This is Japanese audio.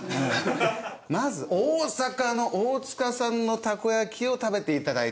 まず大阪の大塚さんのたこ焼きを食べて頂いて。